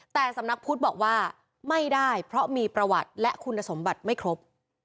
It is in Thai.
แต่สำนักพุทธบอกว่าไม่ได้เพราะมีประวัติและคุณสมบัติไม่ครบ